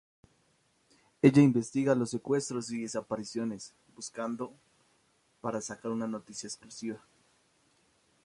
Ella investiga los secuestros y desapariciones, buscando para sacar una noticia exclusiva.